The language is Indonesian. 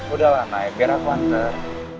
udah lah naik biar aku hantar